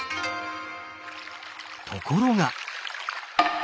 ところが！